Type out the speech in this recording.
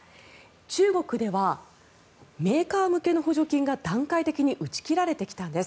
中国ではメーカー向けの補助金が段階的に打ち切られてきたんです。